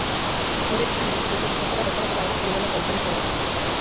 ভেবে দেখুন দেখি যদি এটা সত্যকার ব্যাপার হত তা হলেই পরিণামে বন্ধনভয়ং!